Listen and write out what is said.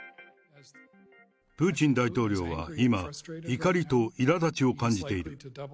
プーチン大統領は今、怒りといらだちを感じている。